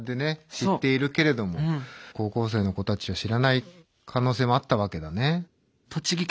知っているけれども高校生の子たちは知らない可能性もあったわけだね。